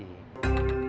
terima kasih pak